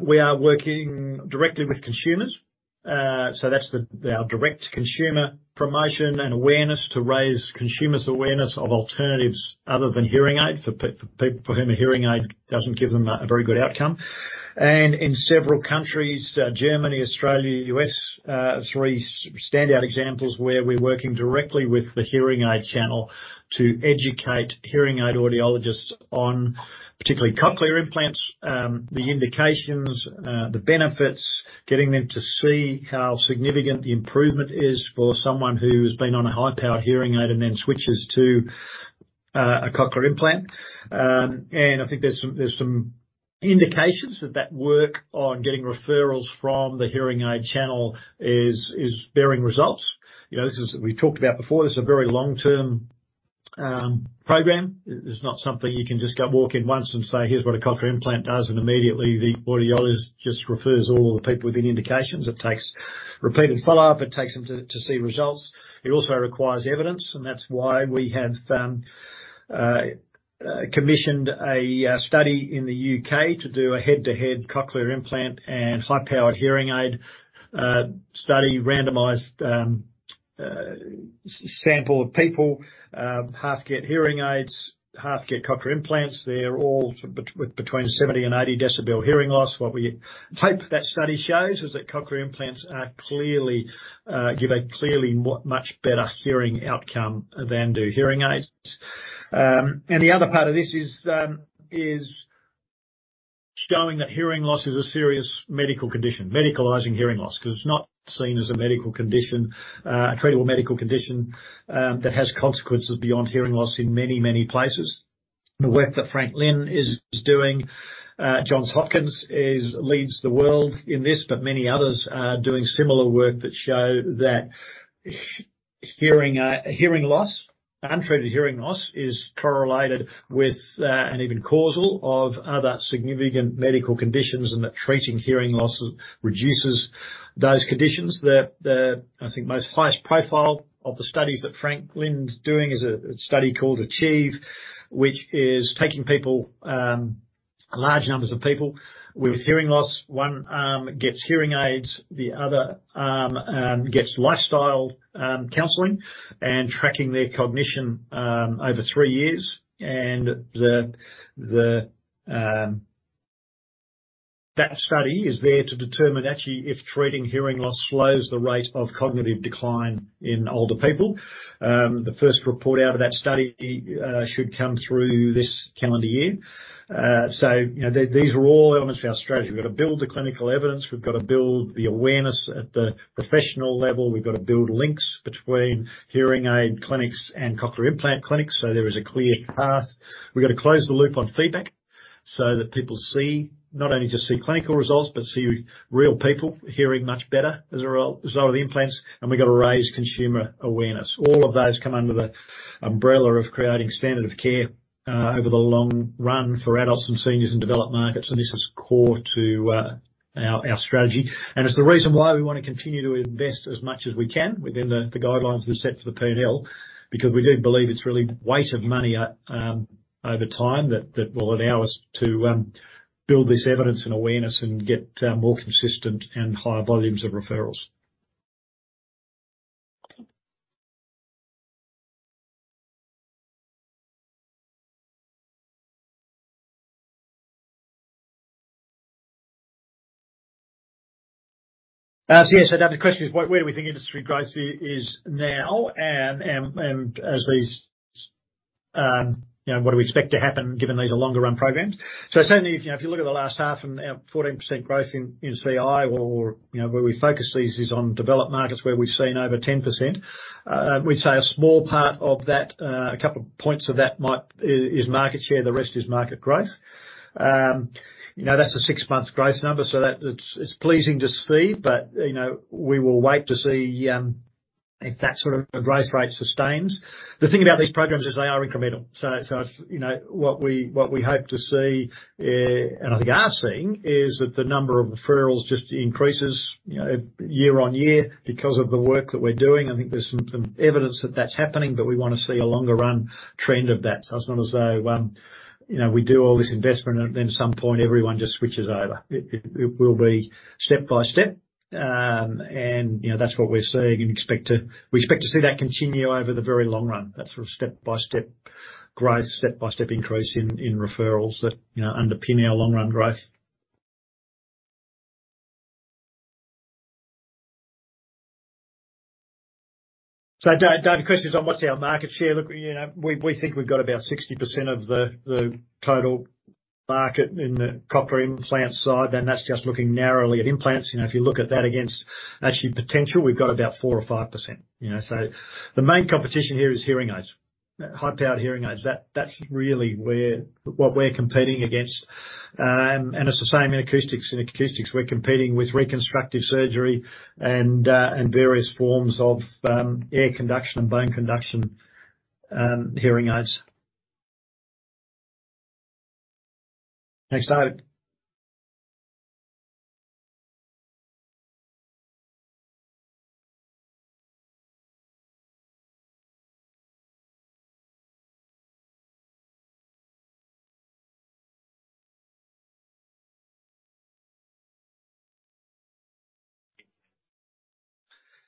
We are working directly with consumers. So that's the, our direct consumer promotion and awareness to raise consumers' awareness of alternatives other than hearing aids for people for whom a hearing aid doesn't give them a very good outcome. In several countries, Germany, Australia, U.S., three standout examples where we're working directly with the hearing aid channel to educate hearing aid audiologists on particularly cochlear implants, the indications, the benefits, getting them to see how significant the improvement is for someone who's been on a high-powered hearing aid and then switches to a cochlear implant. I think there's some indications that that work on getting referrals from the hearing aid channel is bearing results. You know, this is we talked about before, this is a very long-term program. It's not something you can just go walk in once and say, "Here's what a cochlear implant does," and immediately the audiologist just refers all the people with any indications. It takes repeated follow-up. It takes them to see results. It also requires evidence, and that's why we have commissioned a study in the U.K. to do a head-to-head cochlear implant and high-powered hearing aid study randomized sample of people. Half get hearing aids, half get cochlear implants. They're all sort of between 70 and 80 decibel hearing loss. What we hope that study shows is that cochlear implants are clearly give a much better hearing outcome than do hearing aids. The other part of this is showing that hearing loss is a serious medical condition. Medicalizing hearing loss, 'cause it's not seen as a medical condition, a treatable medical condition, that has consequences beyond hearing loss in many, many places. The work that Frank Lin is doing, Johns Hopkins leads the world in this, but many others are doing similar work that show that hearing loss, untreated hearing loss is correlated with, and even causal of other significant medical conditions, and that treating hearing loss reduces those conditions. I think, most highest profile of the studies that Frank Lin's doing is a study called ACHIEVE, which is taking people, large numbers of people with hearing loss. One gets hearing aids, the other gets lifestyle counseling and tracking their cognition over three years. That study is there to determine actually if treating hearing loss slows the rate of cognitive decline in older people. The first report out of that study should come through this calendar year. You know, these are all elements of our strategy. We've got to build the clinical evidence. We've got to build the awareness at the professional level. We've got to build links between hearing aid clinics and cochlear implant clinics, so there is a clear path. We've got to close the loop on feedback so that people see, not only just see clinical results, but see real people hearing much better as a result of the implants. We've got to raise consumer awareness. All of those come under the umbrella of creating standard of care over the long run for adults and seniors in developed markets. This is core to our strategy. It's the reason why we wanna continue to invest as much as we can within the guidelines we've set for the P&L, because we do believe it's really weight of money over time that will allow us to build this evidence and awareness and get more consistent and higher volumes of referrals. So yeah, so Dave, the question is where do we think industry growth is now? As these, you know, what do we expect to happen given these are longer run programs? Certainly if, you know, if you look at the last half and our 14% growth in CI or you know, where we focus these is on developed markets where we've seen over 10%, we'd say a small part of that, two points of that might, is market share, the rest is market growth. You know, that's a six-month growth number, so that, it's pleasing to see. You know, we will wait to see if that sort of growth rate sustains. The thing about these programs is they are incremental. You know, what we hope to see, and I think are seeing, is that the number of referrals just increases, you know, year on year because of the work that we're doing. I think there's some evidence that that's happening, but we want to see a longer run trend of that. It's not as though, you know, we do all this investment and then at some point everyone just switches over. It will be step by step. You know, that's what we're seeing and we expect to see that continue over the very long run, that sort of step-by-step growth, step-by-step increase in referrals that, you know, underpin our long-run growth. Dave, the question is on what's our market share. Look, you know, we think we've got about 60% of the total market in the cochlear implant side, and that's just looking narrowly at implants. You know, if you look at that against actually potential, we've got about 4% or 5%. You know, the main competition here is hearing aids, high-powered hearing aids. That's really where, what we're competing against. It's the same in acoustics. In acoustics, we're competing with reconstructive surgery and various forms of air conduction and bone conduction hearing aids.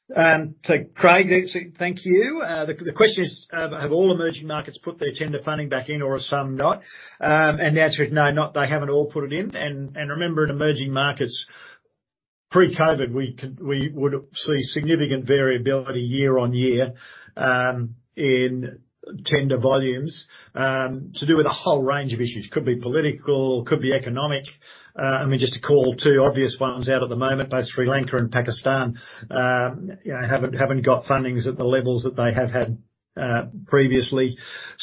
Next slide. Craig, thank you. The question is, have all emerging markets put their tender funding back in or are some not? The answer is no, not they haven't all put it in. Remember in emerging markets, pre-COVID, we would see significant variability year on year in tender volumes to do with a whole range of issues. Could be political, could be economic. I mean, just to call two obvious ones out at the moment, both Sri Lanka and Pakistan, you know, haven't got fundings at the levels that they have had previously.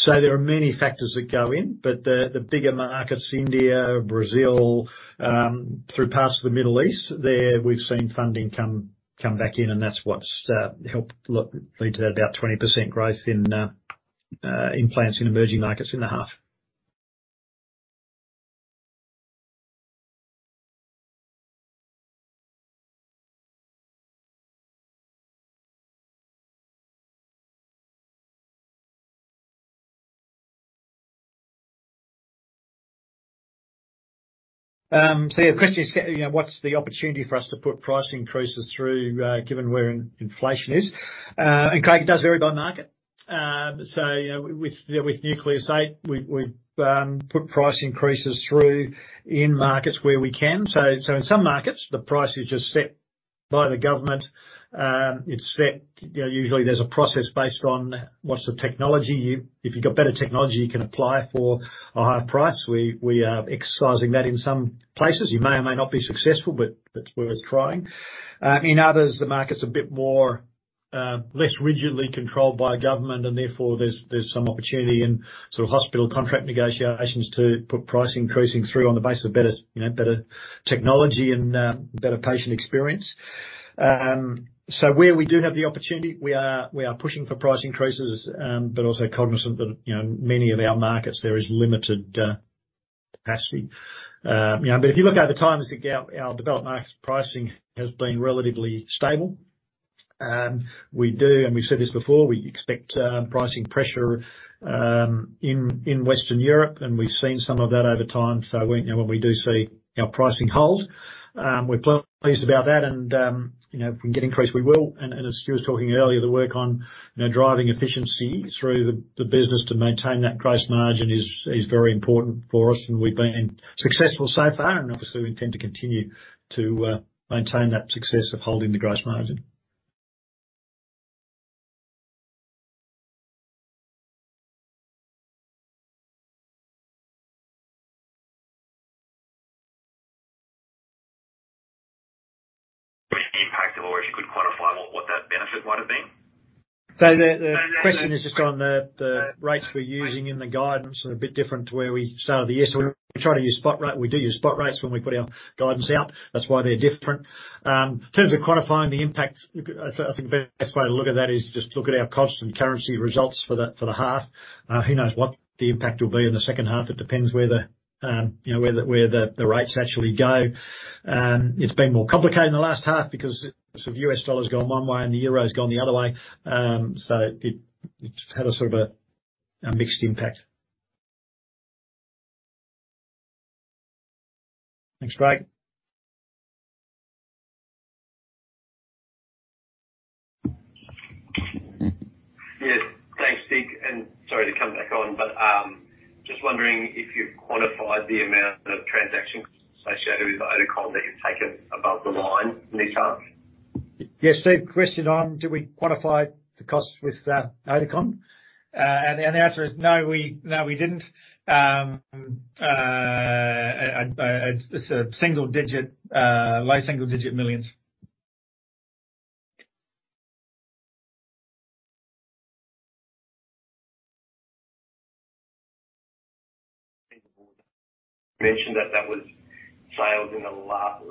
There are many factors that go in. The bigger markets, India, Brazil, through parts of the Middle East, there we've seen funding come back in, and that's what's helped lead to that about 20% growth in implants in emerging markets in the half. Yeah, the question is, you know, what's the opportunity for us to put price increases through given where inflation is? Craig, it does vary by market. You know, with Nucleus 8, we've put price increases through in markets where we can. In some markets, the price is just set by the government. It's set, you know, usually there's a process based on what's the technology. If you've got better technology, you can apply for a higher price. We are exercising that in some places. You may or may not be successful, but it's worth trying. In others, the market's a bit more less rigidly controlled by government, and therefore there's some opportunity in sort of hospital contract negotiations to put price increasing through on the basis of better, you know, better technology and better patient experience. Where we do have the opportunity, we are pushing for price increases, but also cognizant that, you know, in many of our markets there is limited capacity. You know, if you look over the times, again, our developed markets pricing has been relatively stable. We do, and we've said this before, we expect pricing pressure in Western Europe, and we've seen some of that over time. When we do see our pricing hold, we're pleased about that. If we can get increase, we will. As Stu was talking earlier, the work on driving efficiency through the business to maintain that gross margin is very important for us. We've been successful so far. Obviously we intend to continue to maintain that success of holding the gross margin. What is the impact or if you could quantify what that benefit might have been? The question is just on the rates we're using in the guidance are a bit different to where we started the year. We try to use spot rate. We do use spot rates when we put our guidance out. That's why they're different. In terms of quantifying the impact, I think the best way to look at that is just look at our constant currency results for the half. Who knows what the impact will be in the second half? It depends where, you know, where the rates actually go. It's been more complicated in the last half because sort of U.S. dollar's gone one way and the euro's gone the other way. It had a sort of a mixed impact. Thanks, Craig. Thanks, Dig, sorry to come back on, just wondering if you've quantified the amount of transaction associated with Oticon that you've taken above the line in this half? Yes, Steve. Question on did we quantify the cost with Oticon? The answer is no, we didn't. It's a single digit, low single digit millions. Mentioned that that was sales in the latter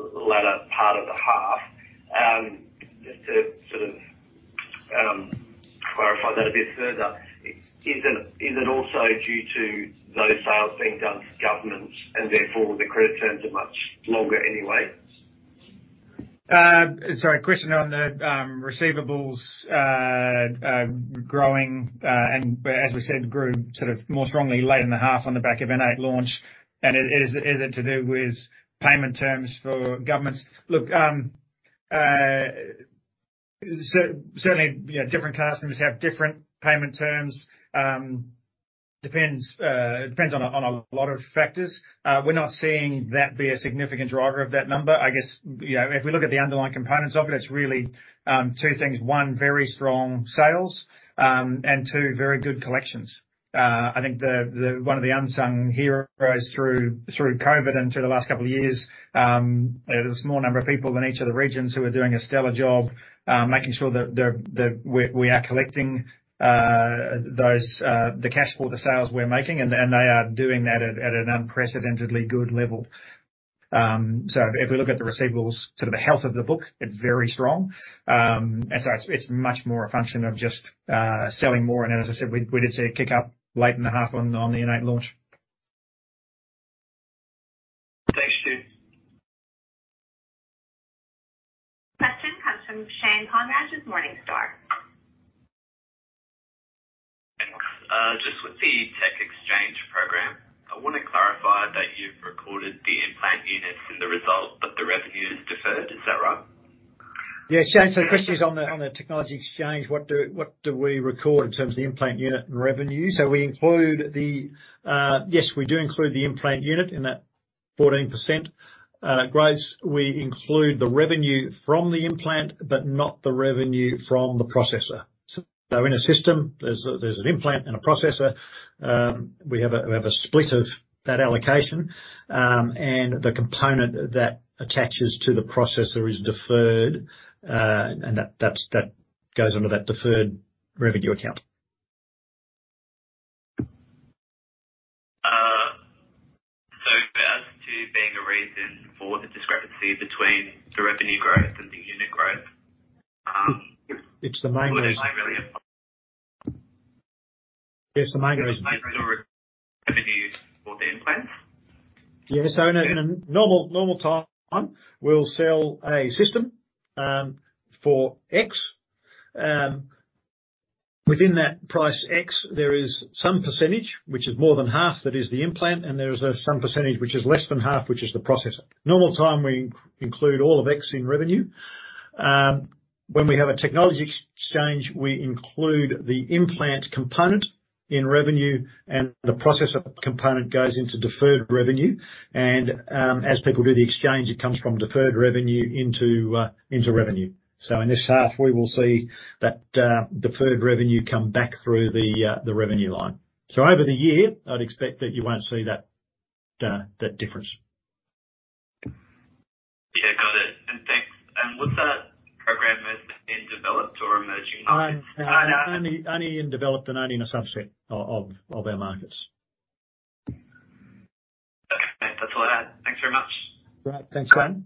part of the half. Just to sort of clarify that a bit further. Is it also due to those sales being done to governments and therefore the credit terms are much longer anyway? Sorry, question on the receivables growing, but as we said, grew sort of more strongly late in the half on the back of an N8 launch. Is it to do with payment terms for governments? Look, certainly, you know, different customers have different payment terms. Depends on a lot of factors. We're not seeing that be a significant driver of that number. I guess, you know, if we look at the underlying components of it's really two things. One, very strong sales, and two, very good collections. I think the one of the unsung heroes through COVID and through the last couple of years, there's a small number of people in each of the regions who are doing a stellar job, making sure that we are collecting those the cash for the sales we're making, and they are doing that at an unprecedentedly good level. If we look at the receivables, sort of the health of the book, it's very strong. So it's much more a function of just selling more. As I said, we did see a kick up late in the half on the N8 launch. Thanks, Stu. Question comes from Shane Ponraj, Morningstar. The implant units in the result, but the revenue is deferred. Is that right? Yeah, Shane. The question is on the technology exchange, what do we record in terms of the implant unit and revenue? Yes, we do include the implant unit in that 14% growth. We include the revenue from the implant, but not the revenue from the processor. In a system, there's an implant and a processor. We have a split of that allocation, and the component that attaches to the processor is deferred, and that goes under that deferred revenue account. As to being a reason for the discrepancy between the revenue growth and the unit growth. It's the main reason. Yes, the main reason. -revenues for the implants? Yes. In a normal time, we'll sell a system for X. Within that price X, there is some percentage which is more than half that is the implant, and there is some percentage which is less than half, which is the processor. Normal time, we include all of X in revenue. When we have a technology exchange, we include the implant component in revenue and the processor component goes into deferred revenue. As people do the exchange, it comes from deferred revenue into revenue. In this half, we will see that deferred revenue come back through the revenue line. Over the year, I'd expect that you won't see that difference. Yeah, got it. Thanks. Was that program is in developed or emerging markets? Only in developed and only in a subset of our markets. Okay. That's all I had. Thanks very much. All right. Thanks, Shane.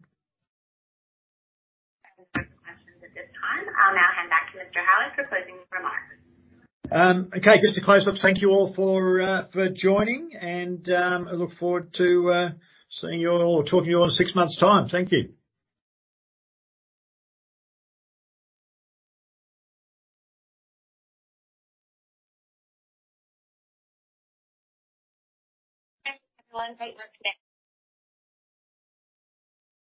There are no further questions at this time. I'll now hand back to Mr. Howitt for closing remarks. Okay. Just to close off, thank you all for joining and, I look forward to, seeing you all or talking to you all in six months' time. Thank you. Thanks, everyone. Thank you.